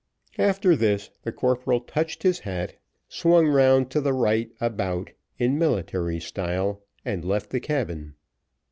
After this, the corporal touched his hat, swung round to the right about in military style, and left the cabin.